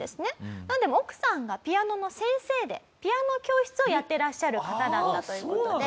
なんでも奥さんがピアノの先生でピアノ教室をやってらっしゃる方だったという事で。